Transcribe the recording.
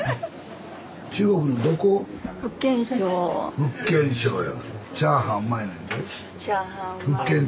福建省や。